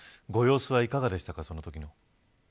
ご様子は、いかがでしたかそのときの。